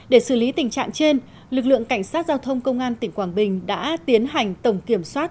để xử lý tình trạng trên lực lượng cảnh sát giao thông công an tỉnh quảng bình đã tiến hành tổng kiểm soát